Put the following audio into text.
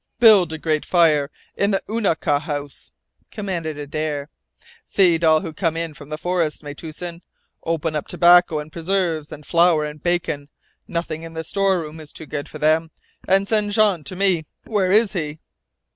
"Build a great fire in the una kah house," commanded Adare. Feed all who come in from the forests, Metoosin. Open up tobacco and preserves, and flour and bacon. Nothing in the storeroom is too good for them. And send Jean to me! Where is he?"